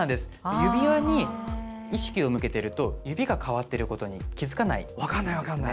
指輪に意識を向けていると指が変わっていることに気付かないんですね。